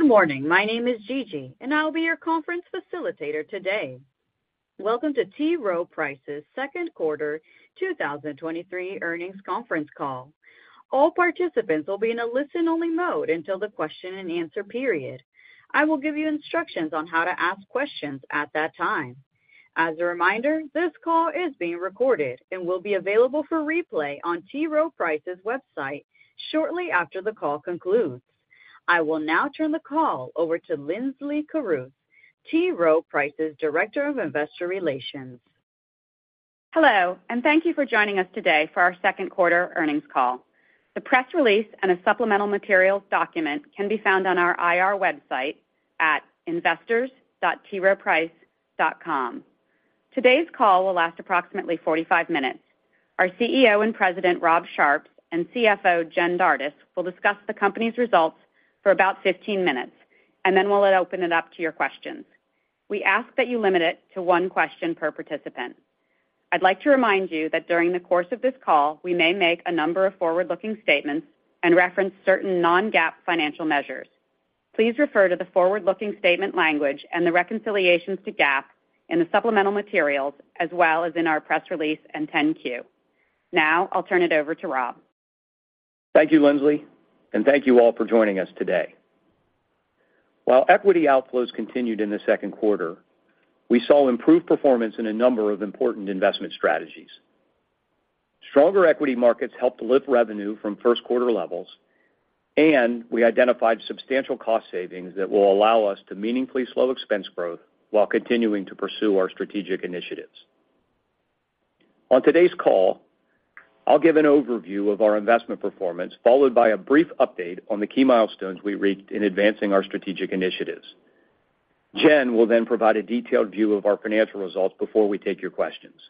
Good morning. My name is Gigi. I'll be your conference facilitator today. Welcome to T. Rowe Price's second quarter 2023 earnings conference call. All participants will be in a listen-only mode until the question-and-answer period. I will give you instructions on how to ask questions at that time. As a reminder, this call is being recorded and will be available for replay on T. Rowe Price's website shortly after the call concludes. I will now turn the call over to Linsley Carruth, T. Rowe Price's Director of Investor Relations. Hello, and thank you for joining us today for our second quarter earnings call. The press release and a supplemental materials document can be found on our IR website at investors.troweprice.com. Today's call will last approximately 45 minutes. Our CEO and President, Rob Sharps, and CFO, Jen Dardis, will discuss the company's results for about 15 minutes, then we'll open it up to your questions. We ask that you limit it to one question per participant. I'd like to remind you that during the course of this call, we may make a number of forward-looking statements and reference certain non-GAAP financial measures. Please refer to the forward-looking statement language and the reconciliations to GAAP in the supplemental materials, as well as in our press release and 10-Q. Now, I'll turn it over to Rob. Thank you, Linsley, and thank you all for joining us today. While equity outflows continued in the second quarter, we saw improved performance in a number of important investment strategies. Stronger equity markets helped lift revenue from first quarter levels, and we identified substantial cost savings that will allow us to meaningfully slow expense growth while continuing to pursue our strategic initiatives. On today's call, I'll give an overview of our investment performance, followed by a brief update on the key milestones we reached in advancing our strategic initiatives. Jen will then provide a detailed view of our financial results before we take your questions.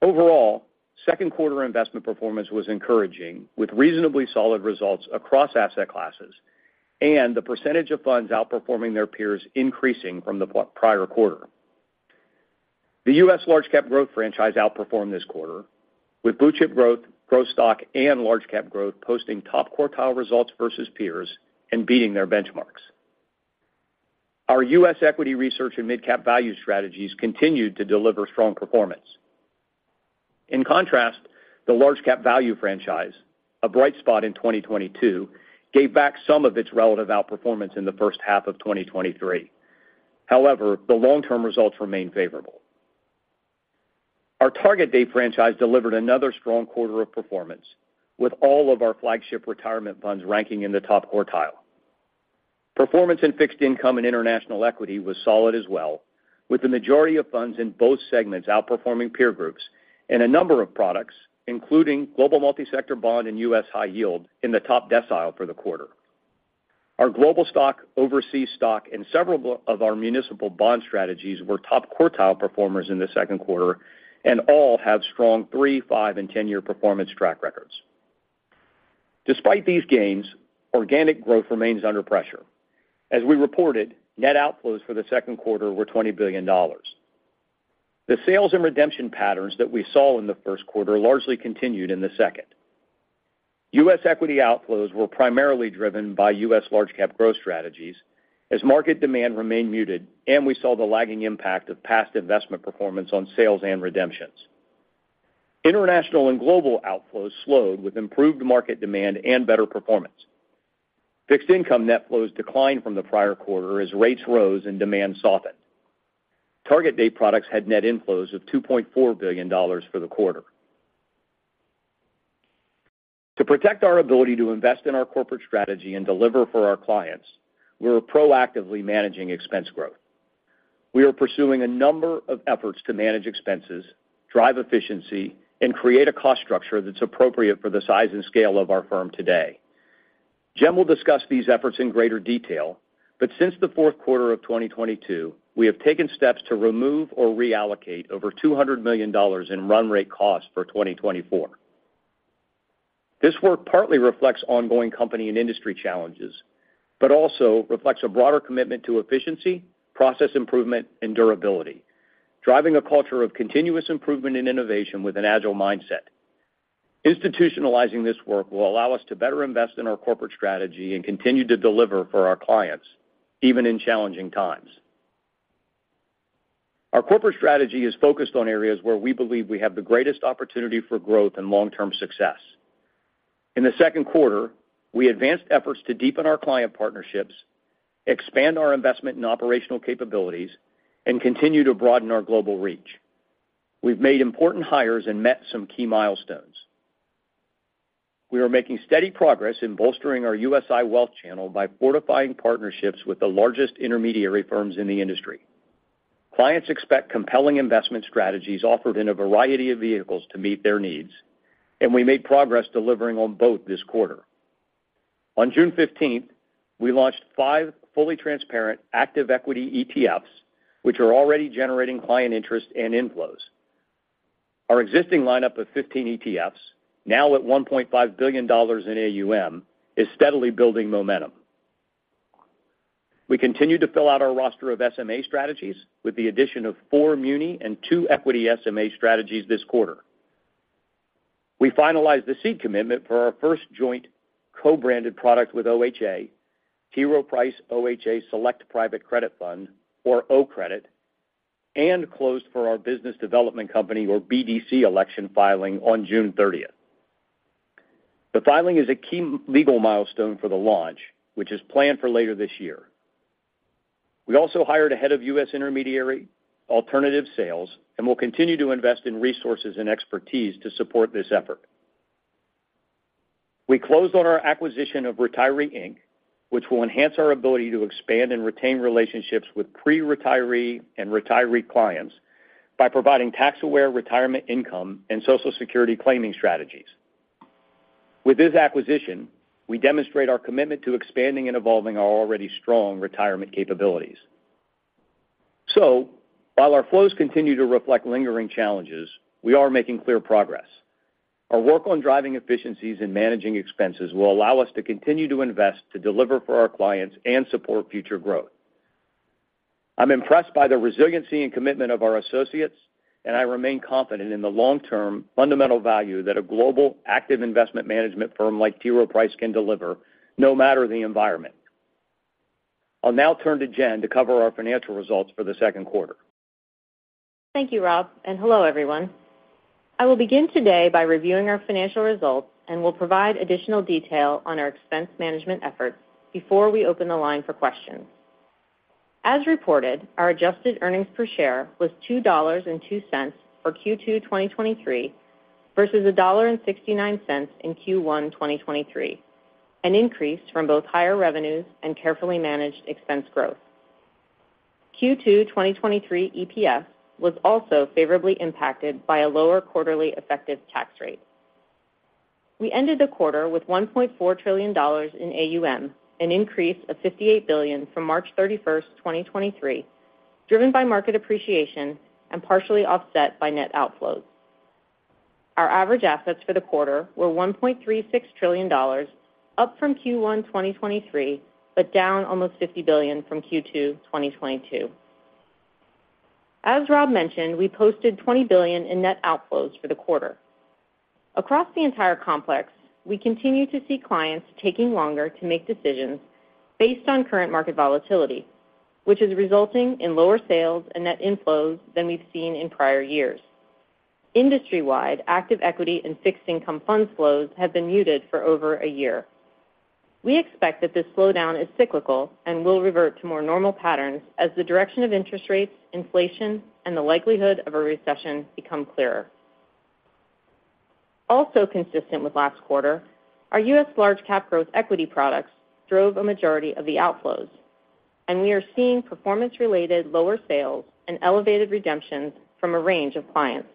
Overall, second quarter investment performance was encouraging, with reasonably solid results across asset classes and the percentage of funds outperforming their peers increasing from the prior quarter. The U.S. Large-Cap Growth franchise outperformed this quarter, with Blue Chip Growth, Growth Stock, and Large Cap Growth posting top quartile results versus peers and beating their benchmarks. Our US Equity Research and Mid Cap Value strategies continued to deliver strong performance. In contrast, the Large Cap Value franchise, a bright spot in 2022, gave back some of its relative outperformance in the first half of 2023. However, the long-term results remain favorable. Our Target Date franchise delivered another strong quarter of performance, with all of our flagship retirement funds ranking in the top quartile. Performance in Fixed Income and International Equity was solid as well, with the majority of funds in both segments outperforming peer groups and a number of products, including Global Multisector Bond and U.S. High Yield, in the top decile for the quarter. Our Global Stock, Overseas Stock, and several of our Municipal Bond strategies were top quartile performers in the second quarter and all have strong three, five, and 10-year performance track records. Despite these gains, organic growth remains under pressure. As we reported, net outflows for the second quarter were $20 billion. The sales and redemption patterns that we saw in the first quarter largely continued in the second. U.S. equity outflows were primarily driven by U.S. Large-Cap Growth strategies as market demand remained muted and we saw the lagging impact of past investment performance on sales and redemptions. International and global outflows slowed with improved market demand and better performance. Fixed income net flows declined from the prior quarter as rates rose and demand softened. Target Date products had net inflows of $2.4 billion for the quarter. To protect our ability to invest in our corporate strategy and deliver for our clients, we're proactively managing expense growth. We are pursuing a number of efforts to manage expenses, drive efficiency, and create a cost structure that's appropriate for the size and scale of our firm today. Jen will discuss these efforts in greater detail, but since the fourth quarter of 2022, we have taken steps to remove or reallocate over $200 million in run rate costs for 2024. This work partly reflects ongoing company and industry challenges, but also reflects a broader commitment to efficiency, process improvement, and durability, driving a culture of continuous improvement and innovation with an agile mindset. Institutionalizing this work will allow us to better invest in our corporate strategy and continue to deliver for our clients, even in challenging times. Our corporate strategy is focused on areas where we believe we have the greatest opportunity for growth and long-term success. In the second quarter, we advanced efforts to deepen our client partnerships, expand our investment in operational capabilities, and continue to broaden our global reach. We've made important hires and met some key milestones. We are making steady progress in bolstering our USI wealth channel by fortifying partnerships with the largest intermediary firms in the industry. Clients expect compelling investment strategies offered in a variety of vehicles to meet their needs, and we made progress delivering on both this quarter. On June 15th, we launched 5 fully transparent, active equity ETFs, which are already generating client interest and inflows. Our existing line-up of 15 ETFs, now at $1.5 billion in AUM, is steadily building momentum. We continue to fill out our roster of SMA strategies with the addition of 4 muni and 2 equity SMA strategies this quarter. We finalized the seed commitment for our first joint co-branded product with OHA, T. Rowe Price OHA Select Private Credit Fund, or OCREDIT, and closed for our business development company, or BDC, election filing on June 30th. The filing is a key legal milestone for the launch, which is planned for later this year. We also hired a head of U.S. intermediary alternative sales, and we'll continue to invest in resources and expertise to support this effort. We closed on our acquisition of Retiree Inc. which will enhance our ability to expand and retain relationships with pre-retiree and retiree clients by providing tax-aware retirement income and Social Security claiming strategies. With this acquisition, we demonstrate our commitment to expanding and evolving our already strong retirement capabilities. While our flows continue to reflect lingering challenges, we are making clear progress. Our work on driving efficiencies and managing expenses will allow us to continue to invest, to deliver for our clients and support future growth. I'm impressed by the resiliency and commitment of our associates, and I remain confident in the long-term fundamental value that a global, active investment management firm like T. Rowe Price can deliver, no matter the environment. I'll now turn to Jen to cover our financial results for the second quarter. Thank you, Rob, hello, everyone. I will begin today by reviewing our financial results and will provide additional detail on our expense management efforts before we open the line for questions. As reported, our adjusted earnings per share was $2.02 for Q2 2023, versus $1.69 in Q1 2023, an increase from both higher revenues and carefully managed expense growth. Q2 2023 EPS was also favorably impacted by a lower quarterly effective tax rate. We ended the quarter with $1.4 trillion in AUM, an increase of $58 billion from March 31, 2023, driven by market appreciation and partially offset by net outflows. Our average assets for the quarter were $1.36 trillion, up from Q1 2023, but down almost $50 billion from Q2 2022. As Rob mentioned, we posted $20 billion in net outflows for the quarter. Across the entire complex, we continue to see clients taking longer to make decisions based on current market volatility, which is resulting in lower sales and net inflows than we've seen in prior years. Industry-wide, active equity and fixed income fund flows have been muted for over a year. We expect that this slowdown is cyclical and will revert to more normal patterns as the direction of interest rates, inflation, and the likelihood of a recession become clearer. Also consistent with last quarter, our U.S. Large Cap Growth equity products drove a majority of the outflows, and we are seeing performance-related lower sales and elevated redemptions from a range of clients.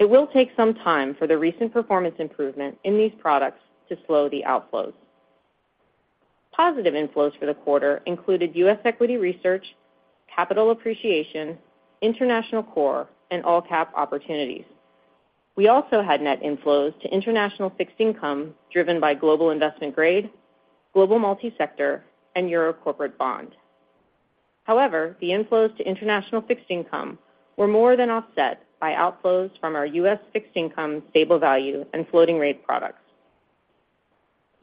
It will take some time for the recent performance improvement in these products to slow the outflows. Positive inflows for the quarter included U.S. Equity Research, Capital Appreciation, International Core, and All-Cap Opportunities. We also had net inflows to international fixed income, driven by Global Investment Grade, Global Multisector, and Euro Corporate Bond. However, the inflows to international fixed income were more than offset by outflows from our U.S. fixed income, Stable Value, and Floating Rate products.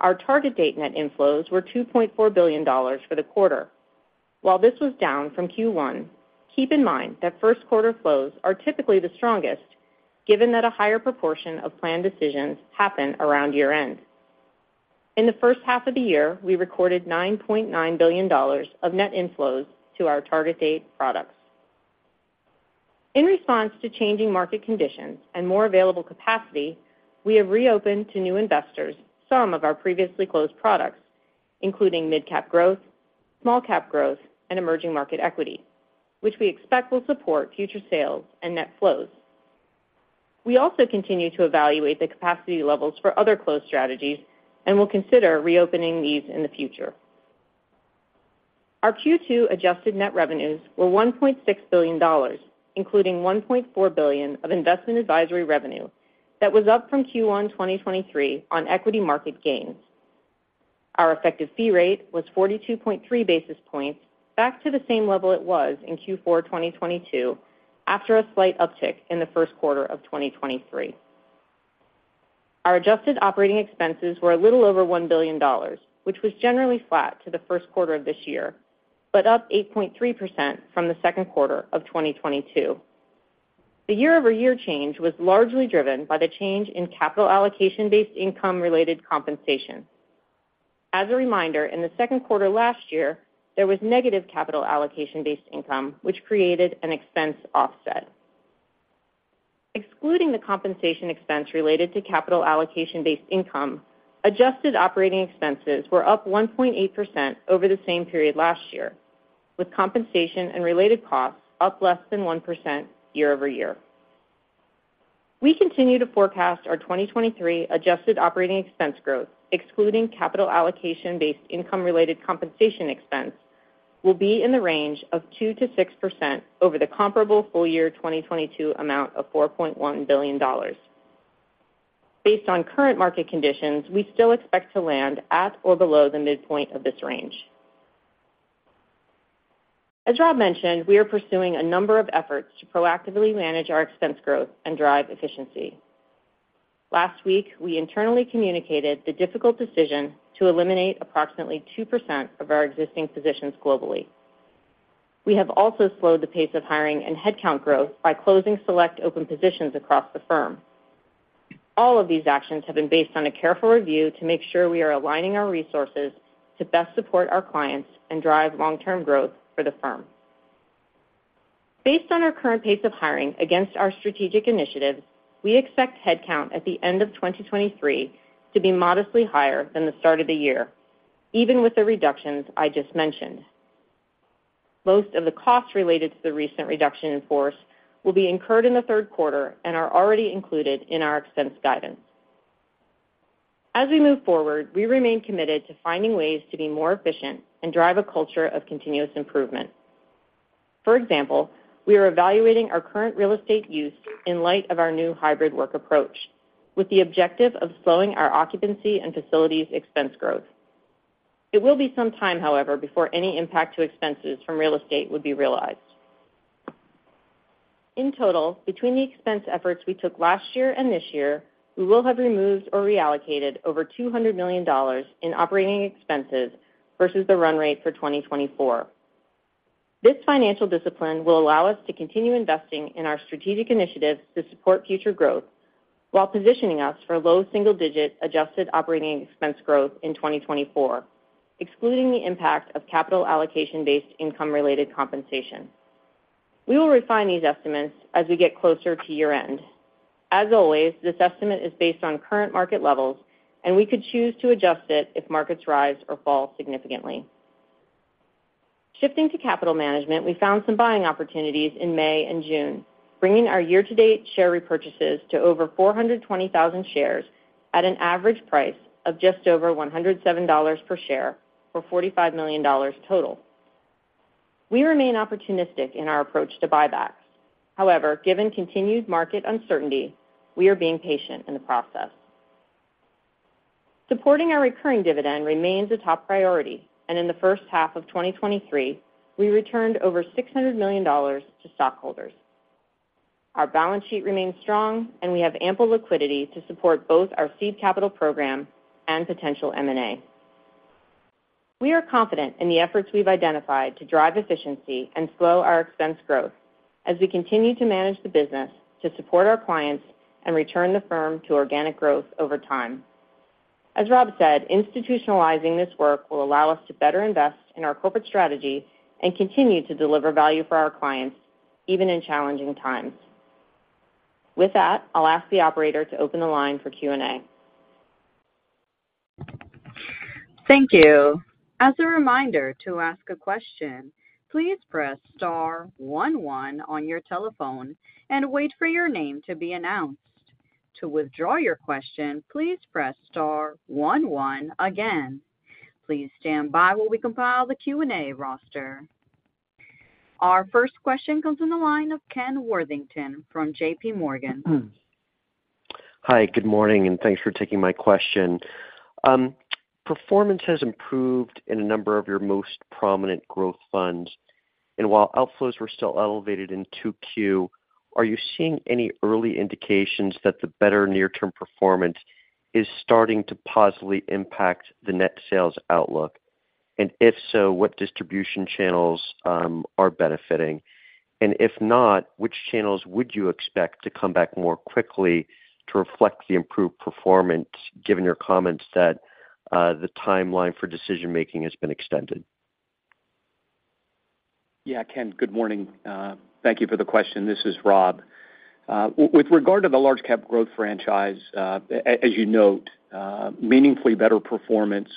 Our Target Date net inflows were $2.4 billion for the quarter. While this was down from Q1, keep in mind that first quarter flows are typically the strongest, given that a higher proportion of planned decisions happen around year-end. In the first half of the year, we recorded $9.9 billion of net inflows to our Target Date products. In response to changing market conditions and more available capacity, we have reopened to new investors some of our previously closed products, including Mid-Cap Growth, Small-Cap Growth, and Emerging Markets Equity, which we expect will support future sales and net flows. We also continue to evaluate the capacity levels for other closed strategies and will consider reopening these in the future. Our Q2 adjusted net revenues were $1.6 billion, including $1.4 billion of investment advisory revenue that was up from Q1, 2023, on equity market gains. Our effective fee rate was 42.3 basis points, back to the same level it was in Q4, 2022, after a slight uptick in the first quarter of 2023. Our adjusted operating expenses were a little over $1 billion, which was generally flat to the first quarter of this year, but up 8.3% from the second quarter of 2022. The year-over-year change was largely driven by the change in capital allocation-based income-related compensation. As a reminder, in the second quarter last year, there was negative capital allocation-based income, which created an expense offset. Excluding the compensation expense related to capital allocation-based income, adjusted operating expenses were up 1.8% over the same period last year, with compensation and related costs up less than 1% year-over-year. We continue to forecast our 2023 adjusted operating expense growth, excluding capital allocation-based income-related compensation expense, will be in the range of 2%-6% over the comparable full year, 2022 amount of $4.1 billion. Based on current market conditions, we still expect to land at or below the midpoint of this range. As Rob mentioned, we are pursuing a number of efforts to proactively manage our expense growth and drive efficiency. Last week, we internally communicated the difficult decision to eliminate approximately 2% of our existing positions globally. We have also slowed the pace of hiring and headcount growth by closing select open positions across the firm. All of these actions have been based on a careful review to make sure we are aligning our resources to best support our clients and drive long-term growth for the firm. Based on our current pace of hiring against our strategic initiatives, we expect headcount at the end of 2023 to be modestly higher than the start of the year, even with the reductions I just mentioned. Most of the costs related to the recent reduction in force will be incurred in the third quarter and are already included in our expense guidance. As we move forward, we remain committed to finding ways to be more efficient and drive a culture of continuous improvement. For example, we are evaluating our current real estate use in light of our new hybrid work approach, with the objective of slowing our occupancy and facilities expense growth. It will be some time, however, before any impact to expenses from real estate would be realized. In total, between the expense efforts we took last year and this year, we will have removed or reallocated over $200 million in operating expenses versus the run rate for 2024. This financial discipline will allow us to continue investing in our strategic initiatives to support future growth while positioning us for low single-digit adjusted operating expense growth in 2024, excluding the impact of capital allocation-based income-related compensation. We will refine these estimates as we get closer to year-end. As always, this estimate is based on current market levels, and we could choose to adjust it if markets rise or fall significantly. Shifting to capital management, we found some buying opportunities in May and June, bringing our year-to-date share repurchases to over 420,000 shares at an average price of just over $107 per share, for $45 million total. We remain opportunistic in our approach to buybacks. However, given continued market uncertainty, we are being patient in the process. Supporting our recurring dividend remains a top priority, and in the first half of 2023, we returned over $600 million to stockholders. Our balance sheet remains strong, and we have ample liquidity to support both our seed capital program and potential M&A. We are confident in the efforts we've identified to drive efficiency and slow our expense growth as we continue to manage the business to support our clients and return the firm to organic growth over time. As Rob said, institutionalizing this work will allow us to better invest in our corporate strategy and continue to deliver value for our clients, even in challenging times. With that, I'll ask the operator to open the line for Q&A. Thank you. As a reminder, to ask a question, please press *11 on your telephone and wait for your name to be announced. To withdraw your question, please press *11 again. Please stand by while we compile the Q&A roster. Our first question comes from the line of Ken Worthington from JPMorgan. Hi, good morning, and thanks for taking my question. Performance has improved in a number of your most prominent growth funds, and while outflows were still elevated in 2Q, are you seeing any early indications that the better near-term performance is starting to positively impact the net sales outlook? If so, what distribution channels are benefiting? If not, which channels would you expect to come back more quickly to reflect the improved performance, given your comments that the timeline for decision-making has been extended? Yeah, Ken, good morning. Thank you for the question. This is Rob. With regard to the large cap growth franchise, as you note, meaningfully better performance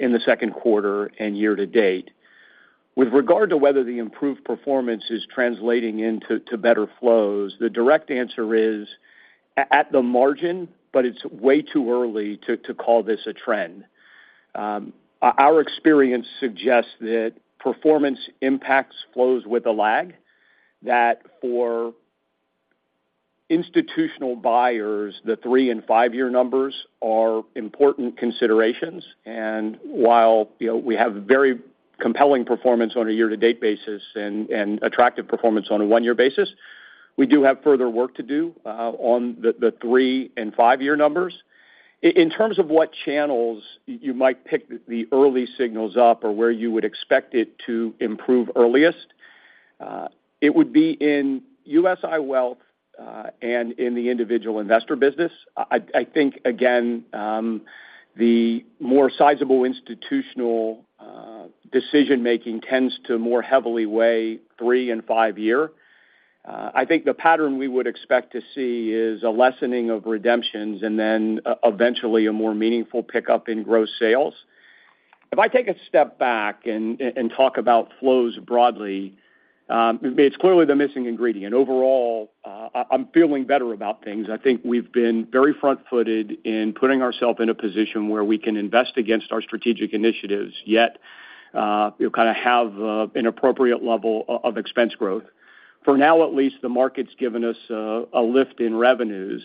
in the second quarter and year to date. With regard to whether the improved performance is translating into to better flows, the direct answer is at the margin, but it's way too early to, to call this a trend. Our, our experience suggests that performance impacts flows with a lag, that for institutional buyers, the 3 and 5-year numbers are important considerations. While, you know, we have very compelling performance on a year-to-date basis and, and attractive performance on a 1-year basis, we do have further work to do on the, the 3 and 5-year numbers. In terms of what channels you might pick the early signals up or where you would expect it to improve earliest, it would be in USI Wealth and in the individual investor business. I, I think, again, the more sizable institutional decision-making tends to more heavily weigh three and five year. I think the pattern we would expect to see is a lessening of redemptions and then, eventually a more meaningful pickup in gross sales. If I take a step back and, and talk about flows broadly, it's clearly the missing ingredient. Overall, I'm feeling better about things. I think we've been very front-footed in putting ourself in a position where we can invest against our strategic initiatives, yet, you know, kind of have an appropriate level of expense growth.... for now, at least, the market's given us a lift in revenues,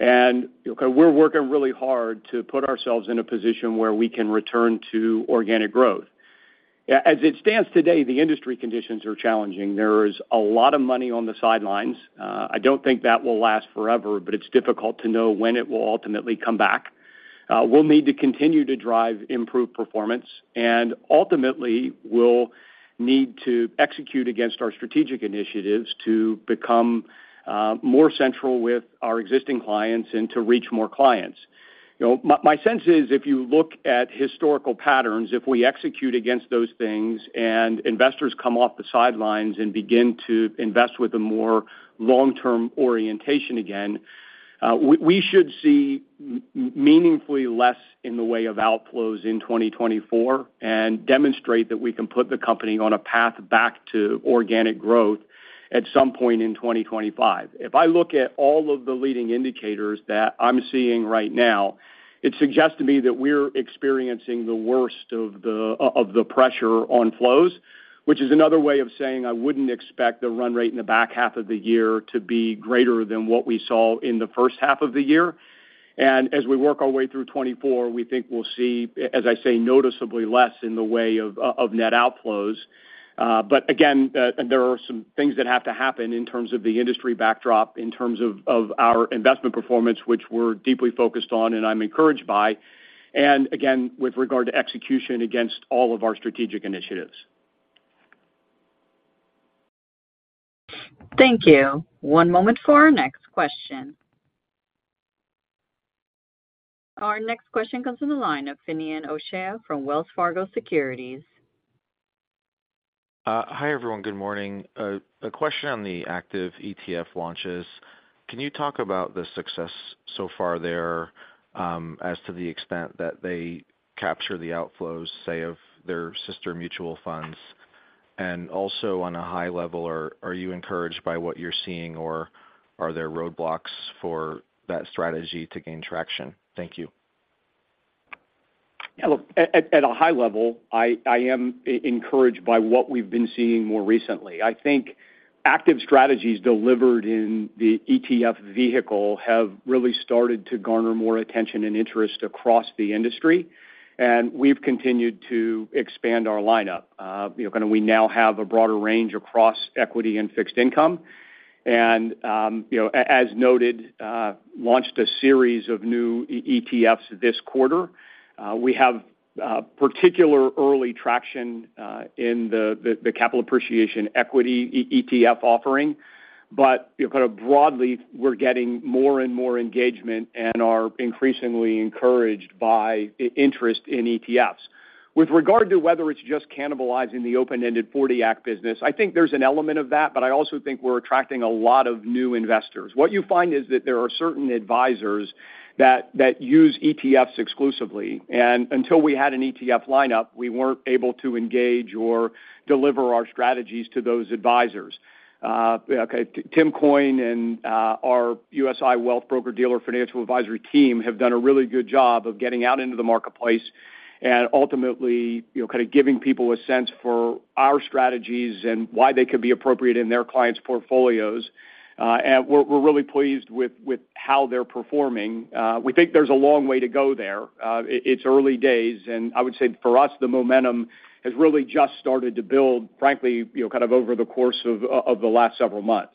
and, you know, we're working really hard to put ourselves in a position where we can return to organic growth. As it stands today, the industry conditions are challenging. There is a lot of money on the sidelines. I don't think that will last forever, but it's difficult to know when it will ultimately come back. We'll need to continue to drive improved performance, and ultimately, we'll need to execute against our strategic initiatives to become more central with our existing clients and to reach more clients. You know, my sense is, if you look at historical patterns, if we execute against those things, investors come off the sidelines and begin to invest with a more long-term orientation again, we, we should see meaningfully less in the way of outflows in 2024, demonstrate that we can put the company on a path back to organic growth at some point in 2025. If I look at all of the leading indicators that I'm seeing right now, it suggests to me that we're experiencing the worst of the pressure on flows, which is another way of saying I wouldn't expect the run rate in the back half of the year to be greater than what we saw in the first half of the year. As we work our way through 2024, we think we'll see, as I say, noticeably less in the way of net outflows. Again, there are some things that have to happen in terms of the industry backdrop, in terms of our investment performance, which we're deeply focused on, and I'm encouraged by, and again, with regard to execution against all of our strategic initiatives. Thank you. One moment for our next question. Our next question comes from the line of Finian O'Shea from Wells Fargo Securities. Hi, everyone. Good morning. A question on the active ETF launches. Can you talk about the success so far there, as to the extent that they capture the outflows, say, of their sister mutual funds? Also, on a high level, are you encouraged by what you're seeing, or are there roadblocks for that strategy to gain traction? Thank you. Yeah, look, at a high level, I am encouraged by what we've been seeing more recently. I think active strategies delivered in the ETF vehicle have really started to garner more attention and interest across the industry, and we've continued to expand our lineup. You know, kind of we now have a broader range across equity and fixed income, and, you know, as noted, launched a series of new ETFs this quarter. We have particular early traction in the Capital Appreciation equity ETF offering. You know, kind of broadly, we're getting more and more engagement and are increasingly encouraged by interest in ETFs. With regard to whether it's just cannibalizing the open-ended 40 Act business, I think there's an element of that, but I also think we're attracting a lot of new investors. What you find is that there are certain advisors that, that use ETFs exclusively, until we had an ETF lineup, we weren't able to engage or deliver our strategies to those advisors. Okay, Tim Coyne and our USI Wealth broker-dealer financial advisory team have done a really good job of getting out into the marketplace and ultimately, you know, kind of giving people a sense for our strategies and why they could be appropriate in their clients' portfolios. We're, we're really pleased with, with how they're performing. We think there's a long way to go there. It's early days, I would say for us, the momentum has really just started to build, frankly, you know, kind of over the course of the last several months.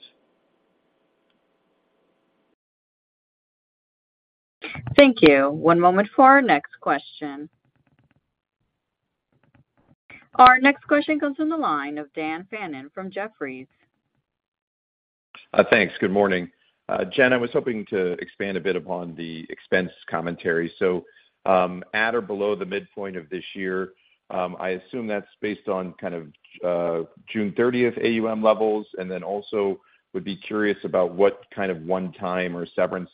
Thank you. One moment for our next question. Our next question comes in the line of Dan Fannon from Jefferies. Thanks. Good morning. Jen, I was hoping to expand a bit upon the expense commentary. At or below the midpoint of this year, I assume that's based on kind of, June 30th AUM levels, and then also would be curious about what kind of one-time or severance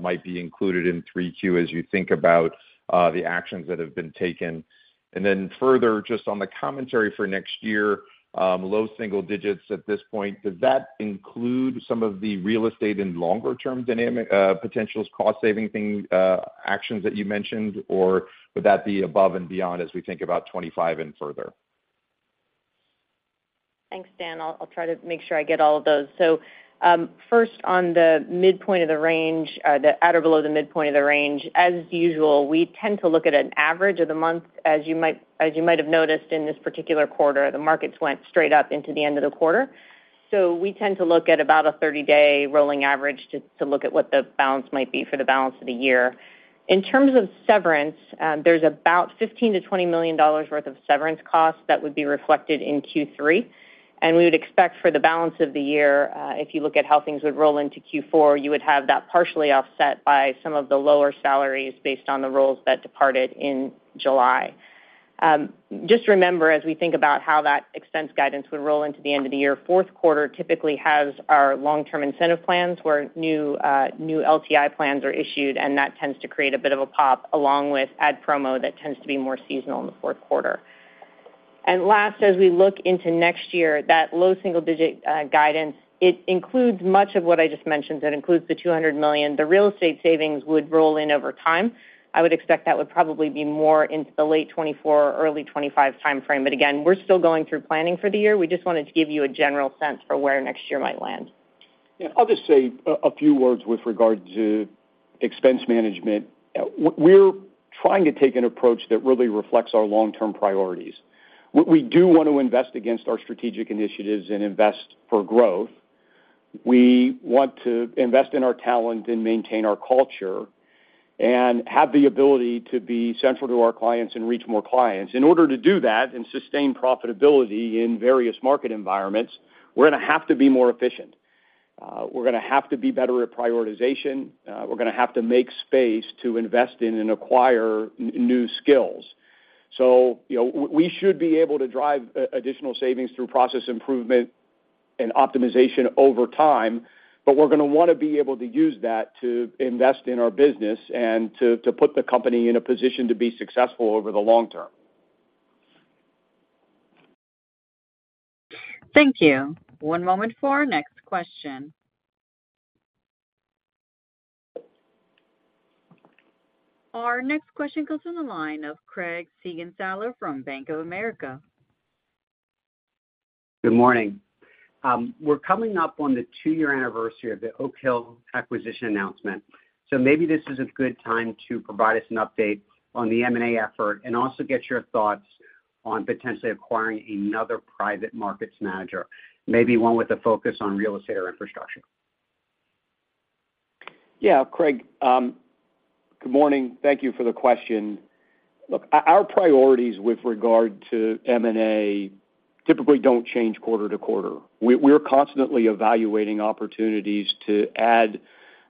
might be included in 3Q as you think about the actions that have been taken. Further, just on the commentary for next year, low single digits at this point, does that include some of the real estate and longer-term dynamic, potentials, cost-saving things, actions that you mentioned, or would that be above and beyond as we think about 2025 and further? Thanks, Dan. I'll, I'll try to make sure I get all of those. First, on the midpoint of the range, the at or below the midpoint of the range, as usual, we tend to look at an average of the month. As you might, as you might have noticed in this particular quarter, the markets went straight up into the end of the quarter. We tend to look at about a 30-day rolling average to, to look at what the balance might be for the balance of the year. In terms of severance, there's about $15 million-$20 million worth of severance costs that would be reflected in Q3. We would expect for the balance of the year, if you look at how things would roll into Q4, you would have that partially offset by some of the lower salaries based on the roles that departed in July. Just remember, as we think about how that expense guidance would roll into the end of the year, fourth quarter typically has our long-term incentive plans, where new LTI plans are issued, and that tends to create a bit of a pop along with ad promo that tends to be more seasonal in the fourth quarter. Last, as we look into next year, that low single digit guidance, it includes much of what I just mentioned. That includes the $200 million. The real estate savings would roll in over time. I would expect that would probably be more into the late 2024 or early 2025 timeframe. Again, we're still going through planning for the year. We just wanted to give you a general sense for where next year might land. Yeah, I'll just say a few words with regard to expense management. We're trying to take an approach that really reflects our long-term priorities. We do want to invest against our strategic initiatives and invest for growth. We want to invest in our talent and maintain our culture, and have the ability to be central to our clients and reach more clients. In order to do that and sustain profitability in various market environments, we're going to have to be more efficient. We're going to have to be better at prioritization. We're going to have to make space to invest in and acquire new skills. you know, we should be able to drive additional savings through process improvement and optimization over time, but we're going to want to be able to use that to invest in our business and to, to put the company in a position to be successful over the long term. Thank you. One moment for our next question. Our next question comes from the line of Craig Siegenthaler from Bank of America. Good morning. We're coming up on the 2-year anniversary of the Oaktree acquisition announcement. Maybe this is a good time to provide us an update on the M&A effort, and also get your thoughts on potentially acquiring another private markets manager, maybe one with a focus on real estate or infrastructure. Yeah, Craig, good morning. Thank you for the question. Look, our, our priorities with regard to M&A typically don't change quarter to quarter. We're constantly evaluating opportunities to add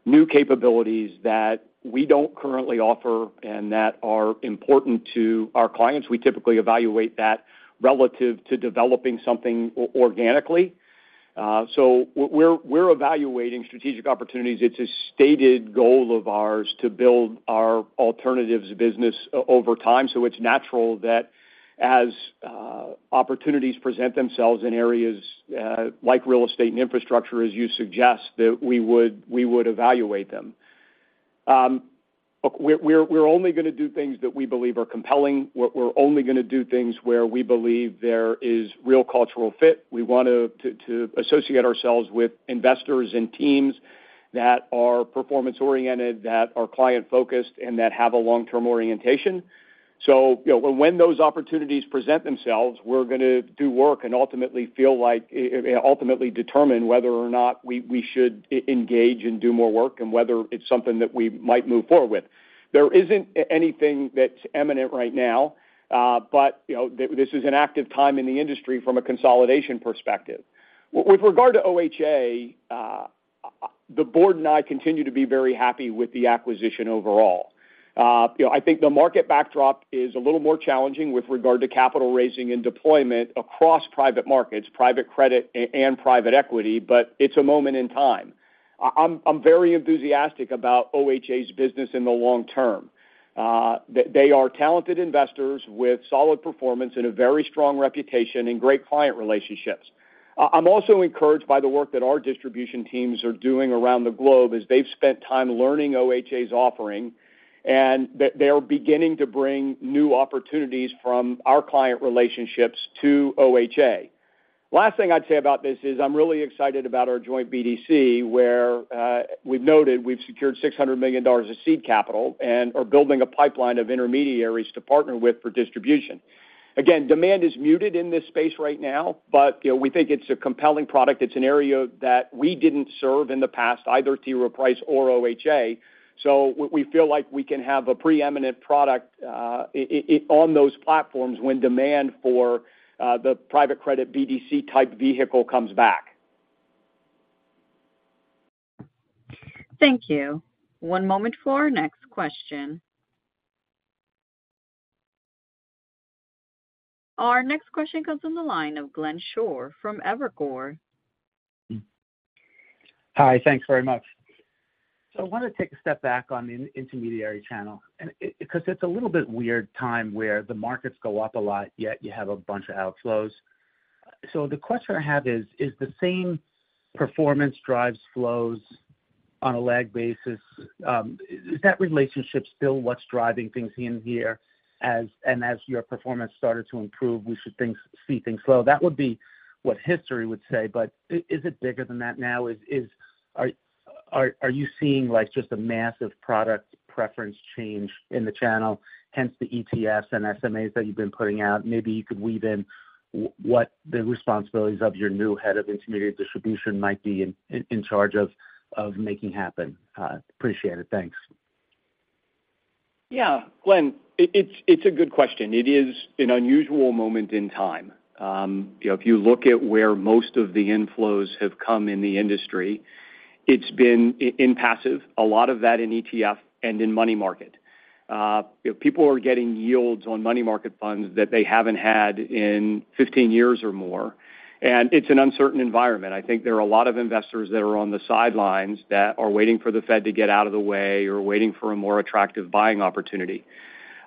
new capabilities that we don't currently offer and that are important to our clients. We typically evaluate that relative to developing something organically. We're evaluating strategic opportunities. It's a stated goal of ours to build our alternatives business over time. It's natural that as opportunities present themselves in areas like real estate and infrastructure, as you suggest, that we would, we would evaluate them. Look, we're, we're only going to do things that we believe are compelling. We're, we're only going to do things where we believe there is real cultural fit. We want to associate ourselves with investors and teams that are performance-oriented, that are client-focused, and that have a long-term orientation. You know, when those opportunities present themselves, we're going to do work and ultimately feel like, ultimately determine whether or not we, we should engage and do more work, and whether it's something that we might move forward with. There isn't anything that's eminent right now, you know, this is an active time in the industry from a consolidation perspective. With regard to OHA, the board and I continue to be very happy with the acquisition overall. You know, I think the market backdrop is a little more challenging with regard to capital raising and deployment across private markets, private credit, and private equity, but it's a moment in time. I'm very enthusiastic about OHA's business in the long term. They are talented investors with solid performance and a very strong reputation and great client relationships. I'm also encouraged by the work that our distribution teams are doing around the globe as they've spent time learning OHA's offering, and that they are beginning to bring new opportunities from our client relationships to OHA. Last thing I'd say about this is, I'm really excited about our joint BDC, where we've noted we've secured $600 million of seed capital and are building a pipeline of intermediaries to partner with for distribution. Again, demand is muted in this space right now, but, you know, we think it's a compelling product. It's an area that we didn't serve in the past, either. Rowe Price or OHA, so we feel like we can have a preeminent product, on those platforms when demand for the private credit BDC-type vehicle comes back. Thank you. One moment for our next question. Our next question comes from the line of Glenn Schorr from Evercore. Hi, thanks very much. I want to take a step back on the intermediary channel, because it's a little bit weird time where the markets go up a lot, yet you have a bunch of outflows. The question I have is: Is the same performance drives flows on a lag basis, is that relationship still what's driving things in here? As your performance started to improve, we should see things slow. That would be what history would say, is it bigger than that now? Are you seeing, like, just a massive product preference change in the channel, hence the ETFs and SMAs that you've been putting out? Maybe you could weave in what the responsibilities of your new head of intermediary distribution might be in, in charge of, of making happen. Appreciate it. Thanks. Yeah, Glenn, it's, it's a good question. It is an unusual moment in time. You know, if you look at where most of the inflows have come in the industry, it's been in passive, a lot of that in ETF and in money market. You know, people are getting yields on money market funds that they haven't had in 15 years or more, and it's an uncertain environment. I think there are a lot of investors that are on the sidelines that are waiting for the Fed to get out of the way or waiting for a more attractive buying opportunity.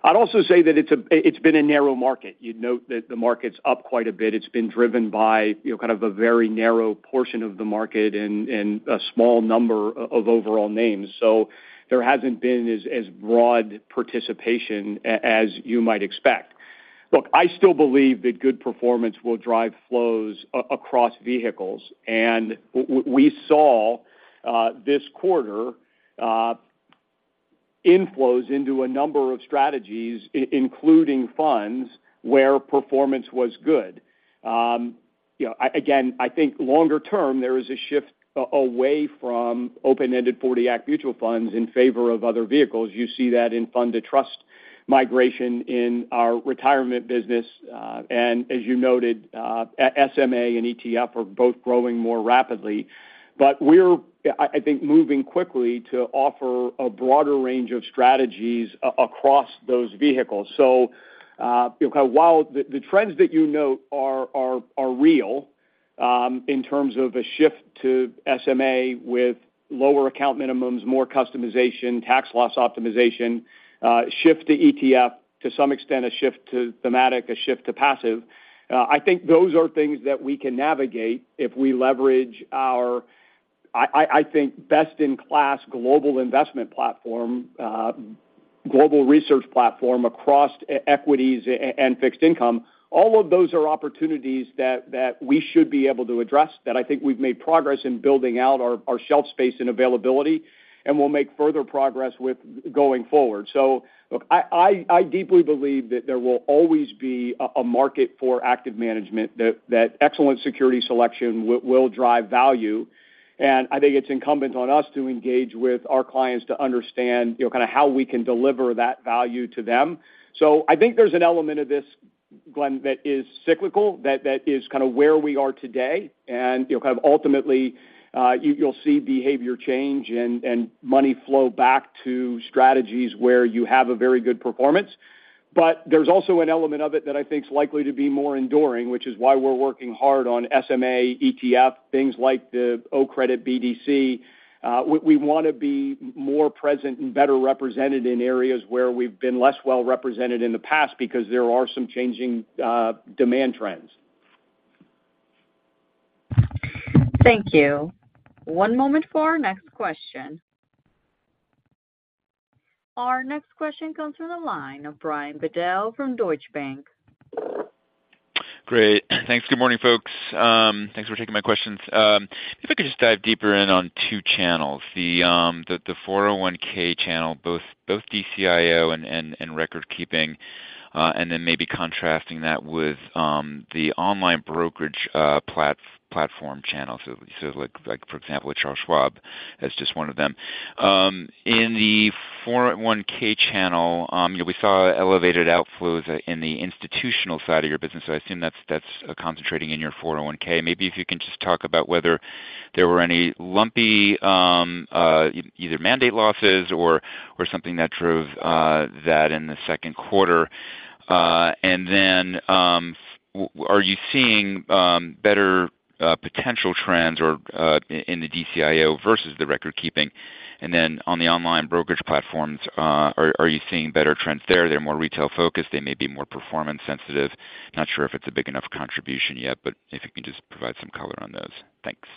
I'd also say that it's been a narrow market. You'd note that the market's up quite a bit. It's been driven by, you know, kind of a very narrow portion of the market and, and a small number of overall names. There hasn't been as broad participation as you might expect. Look, I still believe that good performance will drive flows across vehicles, and we saw this quarter inflows into a number of strategies, including funds, where performance was good. You know, again, I think longer term, there is a shift away from open-ended '40 Act mutual funds in favor of other vehicles. You see that in fund-to-trust migration in our retirement business, and as you noted, SMA and ETF are both growing more rapidly. We're, I think, moving quickly to offer a broader range of strategies across those vehicles. you know, kind of while the, the trends that you note are, are, are real, in terms of a shift to SMA with lower account minimums, more customization, tax loss optimization, shift to ETF, to some extent, a shift to thematic, a shift to passive. I think those are things that we can navigate if we leverage our, I, I think, best-in-class global investment platform, global research platform across equities and fixed income. All of those are opportunities that, that we should be able to address, that I think we've made progress in building out our, our shelf space and availability, and we'll make further progress with going forward. look, I, I deeply believe that there will always be a, a market for active management, that, that excellent security selection will drive value. I think it's incumbent on us to engage with our clients to understand, you know, kind of how we can deliver that value to them. I think there's an element of this, Glenn, that is cyclical, that, that is kind of where we are today. you know, kind of ultimately, you, you'll see behavior change and, and money flow back to strategies where you have a very good performance. there's also an element of it that I think is likely to be more enduring, which is why we're working hard on SMA, ETF, things like the OCREDIT BDC. we, we want to be more present and better represented in areas where we've been less well represented in the past because there are some changing, demand trends. Thank you. One moment for our next question. Our next question comes from the line of Brian Bedell from Deutsche Bank. Great. Thanks. Good morning, folks. Thanks for taking my questions. If I could just dive deeper in on two channels, the, the 401(k) channel, both, both DCIO and, and, and record keeping, and then maybe contrasting that with, the online brokerage, plat-platform channel. So, so like, like, for example, a Charles Schwab as just one of them. In the 401(k) channel, you know, we saw elevated outflows in the institutional side of your business, so I assume that's, that's concentrating in your 401(k). Maybe if you can just talk about whether there were any lumpy, either mandate losses or, or something that drove, that in the second quarter. Are you seeing better potential trends or in the DCIO versus the record keeping? On the online brokerage platforms, are, are you seeing better trends there? They're more retail-focused, they may be more performance sensitive. Not sure if it's a big enough contribution yet, but if you can just provide some color on those. Thanks.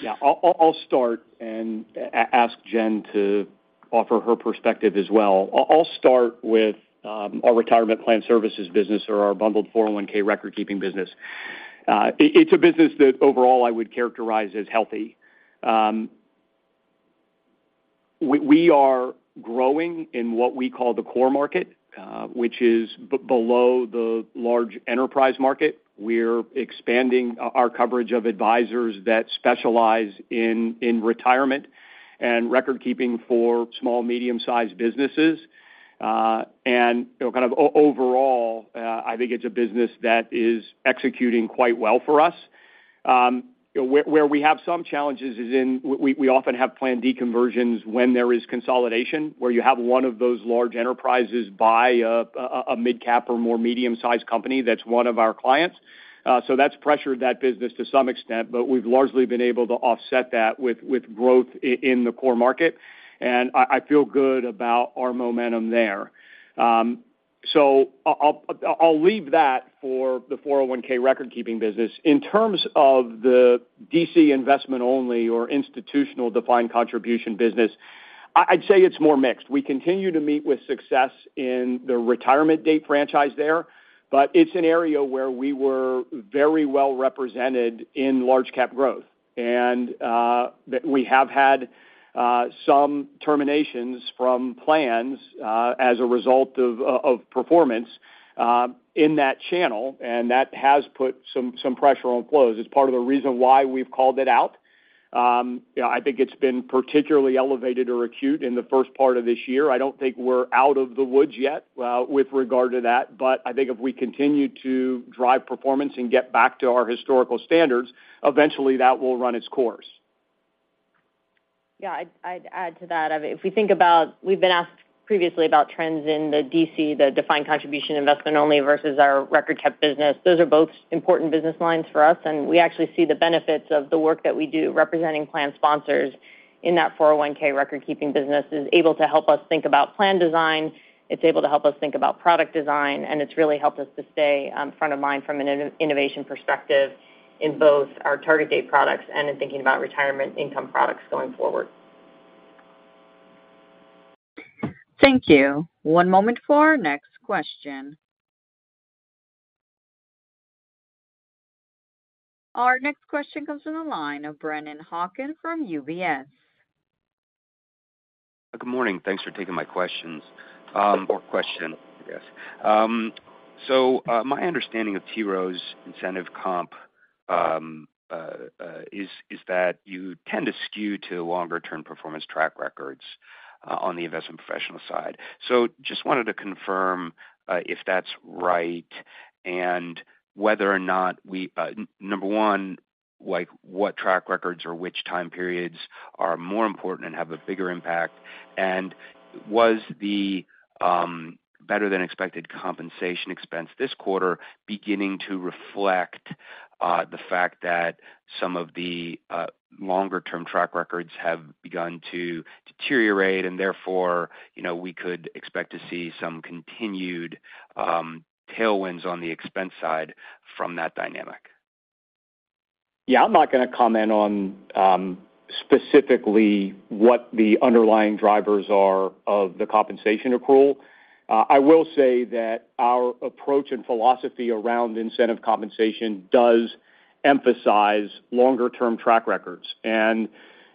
Yeah. I'll, I'll, I'll start and ask Jen to offer her perspective as well. I'll, I'll start with our Retirement Plan Services business or our bundled 401(k) record-keeping business. It's a business that overall I would characterize as healthy. We are growing in what we call the core market, which is below the large enterprise market. We're expanding our coverage of advisors that specialize in retirement and record keeping for small, medium-sized businesses. You know, kind of overall, I think it's a business that is executing quite well for us. Where we have some challenges is in we often have plan deconversions when there is consolidation, where you have one of those large enterprises buy a mid-cap or more medium-sized company that's one of our clients. That's pressured that business to some extent, but we've largely been able to offset that with, with growth in the core market, and I, I feel good about our momentum there. I'll, I'll, I'll leave that for the 401(k) record-keeping business. In terms of the DC investment only or institutional defined contribution business, I, I'd say it's more mixed. We continue to meet with success in the retirement date franchise there, but it's an area where we were very well represented in Large Cap Growth, and that we have had some terminations from plans as a result of performance in that channel, and that has put some, some pressure on flows. It's part of the reason why we've called it out. you know, I think it's been particularly elevated or acute in the first part of this year. I don't think we're out of the woods yet, with regard to that, but I think if we continue to drive performance and get back to our historical standards, eventually that will run its course. Yeah, I'd, I'd add to that. If we think about-- we've been asked previously about trends in the DC, the defined contribution investment only versus our record kept business. Those are both important business lines for us, and we actually see the benefits of the work that we do representing plan sponsors in that 401(k) record-keeping business is able to help us think about plan design, it's able to help us think about product design, and it's really helped us to stay front of mind from an innovation perspective in both our Target Date products and in thinking about retirement income products going forward. Thank you. One moment for our next question. Our next question comes from the line of Brennan Hawken from UBS. Good morning. Thanks for taking my questions, or question, I guess. My understanding of T. Rowe's incentive comp is that you tend to skew to longer-term performance track records on the investment professional side. Just wanted to confirm, if that's right and whether or not we, number one, like what track records or which time periods are more important and have a bigger impact? Was the better-than-expected compensation expense this quarter beginning to reflect the fact that some of the longer-term track records have begun to deteriorate, and therefore, you know, we could expect to see some continued tailwinds on the expense side from that dynamic? Yeah, I'm not going to comment on specifically what the underlying drivers are of the compensation accrual. I will say that our approach and philosophy around incentive compensation does emphasize longer-term track records. You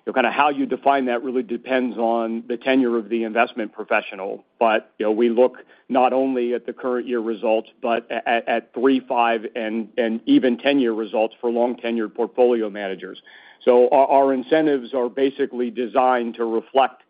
know, kind of how you define that really depends on the tenure of the investment professional. You know, we look not only at the current year results, but at, at, at 3, 5, and, and even 10-year results for long-tenured portfolio managers. Our, our incentives are basically designed to reflect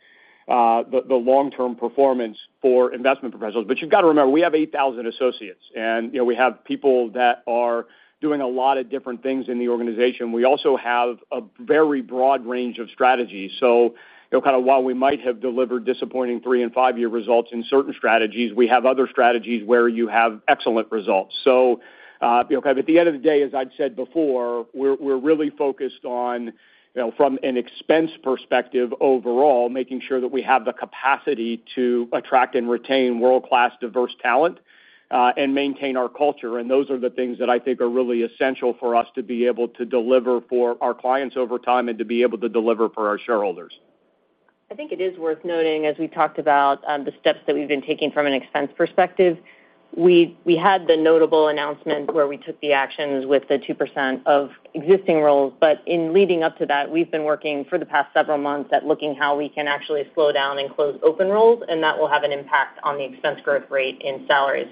the, the long-term performance for investment professionals. You've got to remember, we have 8,000 associates, and, you know, we have people that are doing a lot of different things in the organization. We also have a very broad range of strategies. You know, kind of while we might have delivered disappointing 3- and 5-year results in certain strategies, we have other strategies where you have excellent results. You know, at the end of the day, as I'd said before, we're, we're really focused on, you know, from an expense perspective overall, making sure that we have the capacity to attract and retain world-class, diverse talent and maintain our culture. Those are the things that I think are really essential for us to be able to deliver for our clients over time and to be able to deliver for our shareholders. I think it is worth noting, as we talked about, the steps that we've been taking from an expense perspective. We, we had the notable announcement where we took the actions with the 2% of existing roles, but in leading up to that, we've been working for the past several months at looking how we can actually slow down and close open roles, and that will have an impact on the expense growth rate in salaries.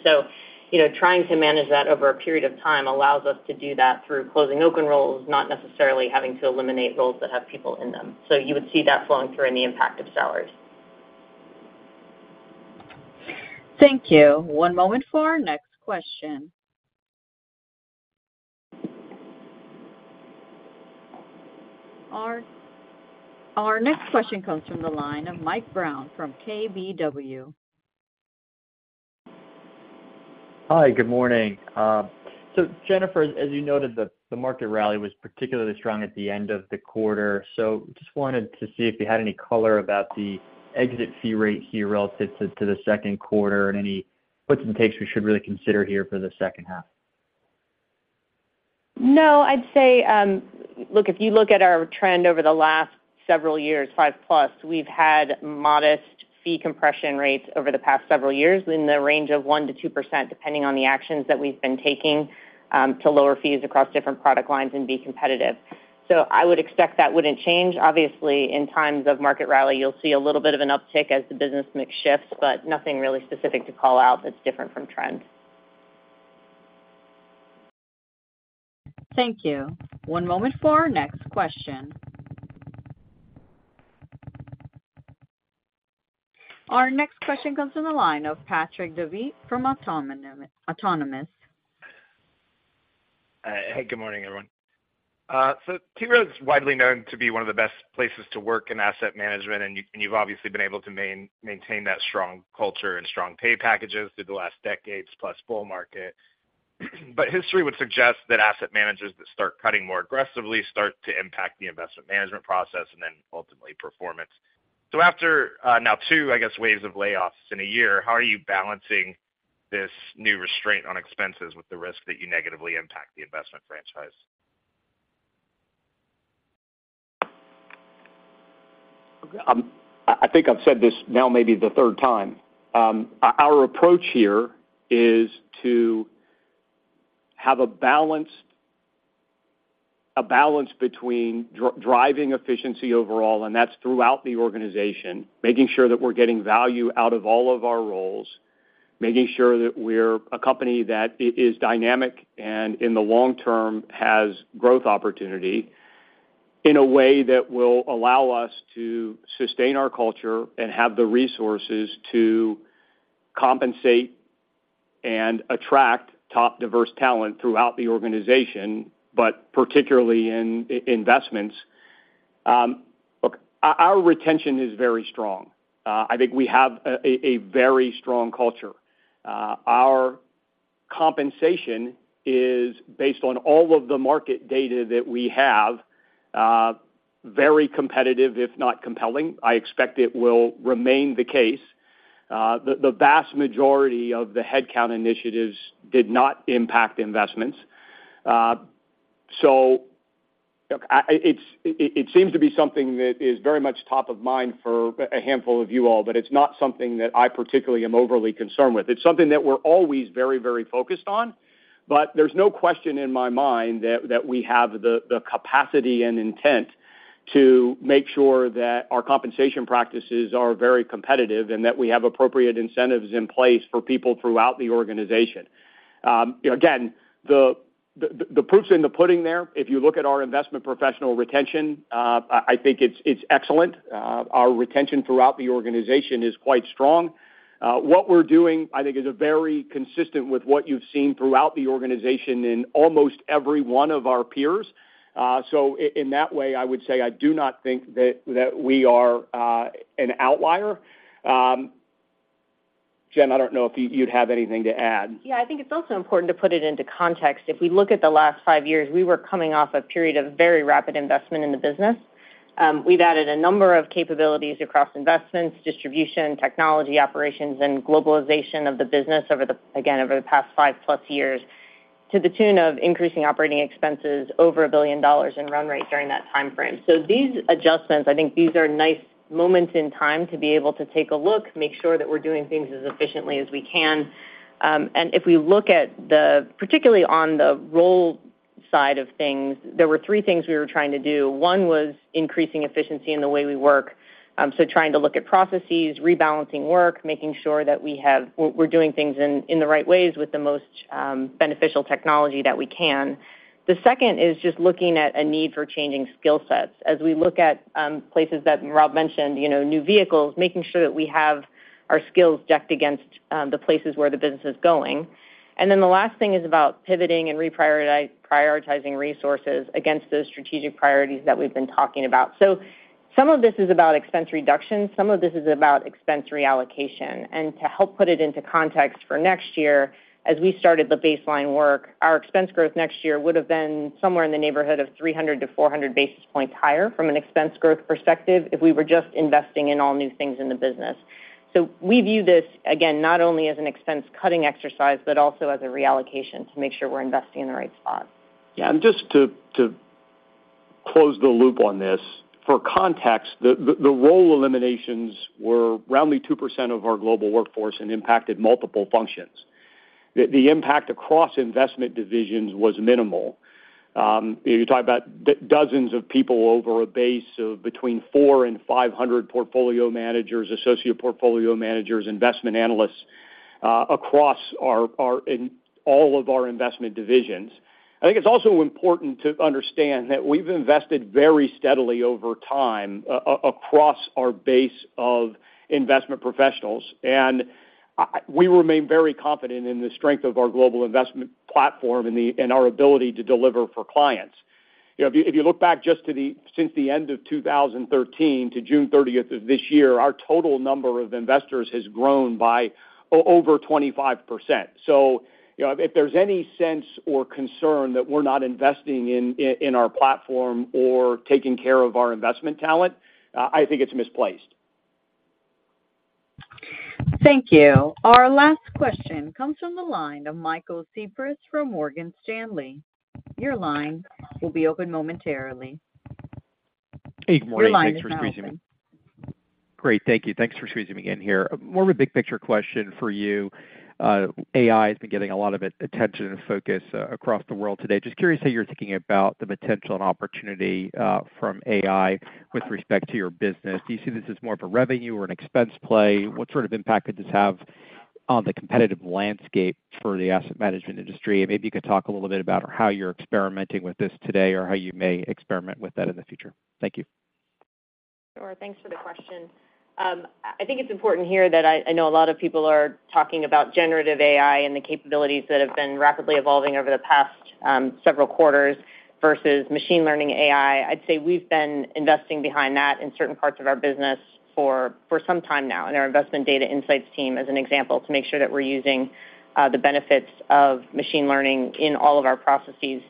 You know, trying to manage that over a period of time allows us to do that through closing open roles, not necessarily having to eliminate roles that have people in them. You would see that flowing through in the impact of salaries. Thank you. One moment for our next question. Our next question comes from the line of Mike Brown from KBW. Hi, good morning. Jen, as you noted, the market rally was particularly strong at the end of the quarter. Just wanted to see if you had any color about the exit fee rate here relative to the 2Q and any puts and takes we should really consider here for the 2H. No, I'd say, look, if you look at our trend over the last several years, 5-plus, we've had modest fee compression rates over the past several years in the range of 1%-2%, depending on the actions that we've been taking to lower fees across different product lines and be competitive. I would expect that wouldn't change. Obviously, in times of market rally, you'll see a little bit of an uptick as the business mix shifts, but nothing really specific to call out that's different from trend. Thank you. One moment for our next question. Our next question comes from the line of Patrick Davitt from Autonomous Research. Hey, good morning, everyone. T. Rowe is widely known to be one of the best places to work in asset management, and you, and you've obviously been able to maintain that strong culture and strong pay packages through the last decades, plus bull market. History would suggest that asset managers that start cutting more aggressively start to impact the investment management process and then ultimately performance. After, now 2, I guess, waves of layoffs in a year, how are you balancing this new restraint on expenses with the risk that you negatively impact the investment franchise? I, I think I've said this now maybe the third time. Our approach here is to have a balanced, a balance between driving efficiency overall, and that's throughout the organization, making sure that we're getting value out of all of our roles, making sure that we're a company that is dynamic and in the long term, has growth opportunity in a way that will allow us to sustain our culture and have the resources to compensate and attract top diverse talent throughout the organization, but particularly in investments. Look, our, our retention is very strong. I think we have a, a, a very strong culture. Our compensation is based on all of the market data that we have, very competitive, if not compelling. I expect it will remain the case. The, the vast majority of the headcount initiatives did not impact investments. Look, I, it seems to be something that is very much top of mind for a, a handful of you all, but it's not something that I particularly am overly concerned with. It's something that we're always very, very focused on, but there's no question in my mind that, that we have the, the capacity and intent to make sure that our compensation practices are very competitive, and that we have appropriate incentives in place for people throughout the organization. Again, the, the, the proof's in the pudding there. If you look at our investment professional retention, I, I think it's, it's excellent. Our retention throughout the organization is quite strong. What we're doing, I think, is a very consistent with what you've seen throughout the organization in almost every one of our peers. In that way, I would say I do not think that, that we are, an outlier. Jen, I don't know if you, you'd have anything to add. Yeah, I think it's also important to put it into context. If we look at the last five years, we were coming off a period of very rapid investment in the business. We've added a number of capabilities across investments, distribution, technology, operations, and globalization of the business over the, again, over the past five-plus years, to the tune of increasing operating expenses over $1 billion in run rate during that timeframe. These adjustments, I think these are nice moments in time to be able to take a look, make sure that we're doing things as efficiently as we can. And if we look at the... Particularly on the role side of things, there were three things we were trying to do. One was increasing efficiency in the way we work, so trying to look at processes, rebalancing work, making sure that we have we're doing things in the right ways with the most beneficial technology that we can. The second is just looking at a need for changing skill sets. As we look at places that Rob mentioned, you know, new vehicles, making sure that we have our skills decked against the places where the business is going. The last thing is about pivoting and prioritizing resources against those strategic priorities that we've been talking about. Some of this is about expense reduction, some of this is about expense reallocation. To help put it into context for next year, as we started the baseline work, our expense growth next year would have been somewhere in the neighborhood of 300 to 400 basis points higher from an expense growth perspective if we were just investing in all new things in the business. We view this, again, not only as an expense cutting exercise, but also as a reallocation to make sure we're investing in the right spots. Just to, to close the loop on this, for context, the, the, the role eliminations were around 2% of our global workforce and impacted multiple functions. The, the impact across investment divisions was minimal. You're talking about d-dozens of people over a base of between 400 and 500 portfolio managers, associate portfolio managers, investment analysts, across our, our, in all of our investment divisions. I think it's also important to understand that we've invested very steadily over time a-a-across our base of investment professionals, and I-- we remain very confident in the strength of our global investment platform and the, and our ability to deliver for clients. You know, if you, if you look back just to the-- since the end of 2013 to June 30th of this year, our total number of investors has grown by o-over 25%. You know, if there's any sense or concern that we're not investing in our platform or taking care of our investment talent, I think it's misplaced. Thank you. Our last question comes from the line of Michael Cyprys from Morgan Stanley. Your line will be open momentarily. Hey, good morning. Your line is now open. Great. Thank you. Thanks for squeezing me in here. More of a big picture question for you. AI has been getting a lot of at- attention and focus across the world today. Just curious how you're thinking about the potential and opportunity from AI with respect to your business. Do you see this as more of a revenue or an expense play? What sort of impact could this have on the competitive landscape for the asset management industry? Maybe you could talk a little bit about how you're experimenting with this today or how you may experiment with that in the future. Thank you. Sure. Thanks for the question. I think it's important here that I, I know a lot of people are talking about generative AI and the capabilities that have been rapidly evolving over the past several quarters versus machine learning AI. I'd say we've been investing behind that in certain parts of our business for, for some time now, and our investment data insights team, as an example, to make sure that we're using the benefits of machine learning in all of our processes.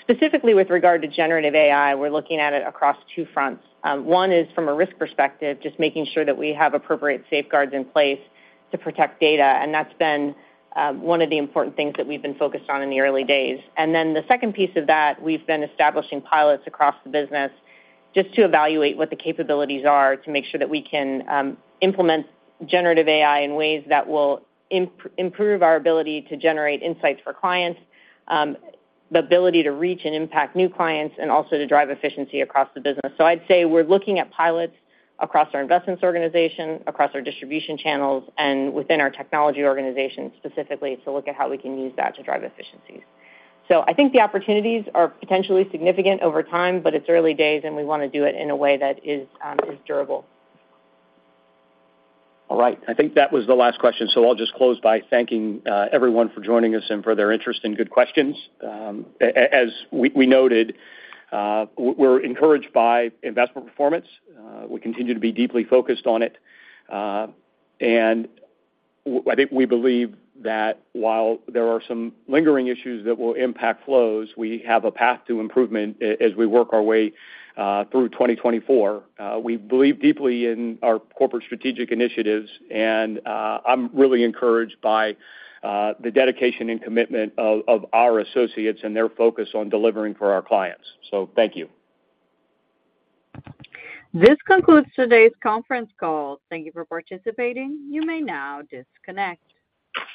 Specifically with regard to generative AI, we're looking at it across two fronts. One is from a risk perspective, just making sure that we have appropriate safeguards in place to protect data, and that's been one of the important things that we've been focused on in the early days. The second piece of that, we've been establishing pilots across the business just to evaluate what the capabilities are, to make sure that we can implement generative AI in ways that will improve our ability to generate insights for clients, the ability to reach and impact new clients, and also to drive efficiency across the business. We're looking at pilots across our investments organization, across our distribution channels, and within our technology organization specifically, to look at how we can use that to drive efficiencies. The opportunities are potentially significant over time, but it's early days, and we want to do it in a way that is durable. All right. I think that was the last question, so I'll just close by thanking everyone for joining us and for their interest and good questions. A-as we, we noted, w-we're encouraged by investment performance. We continue to be deeply focused on it. W- I think we believe that while there are some lingering issues that will impact flows, we have a path to improvement a-as we work our way through 2024. We believe deeply in our corporate strategic initiatives, and I'm really encouraged by the dedication and commitment o-of our associates and their focus on delivering for our clients. Thank you. This concludes today's conference call. Thank you for participating. You may now disconnect.